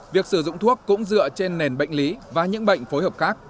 việc sử dụng thuốc cũng dựa trên nền bệnh lý và những bệnh phối hợp khác